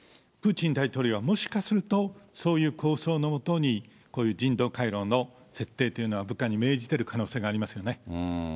プーチン大統領は、もしかすると、そういう構想の下に、こういう人道回廊の設定というのを部下に命じている可能性があります